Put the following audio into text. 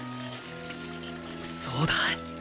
そうだ